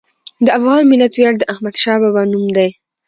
د افغان ملت ویاړ د احمدشاه بابا نوم دی.